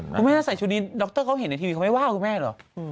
คุณแม่ถ้าใส่ชุดนี้ดรเขาเห็นในทีวีเขาไม่ว่าคุณแม่เหรอ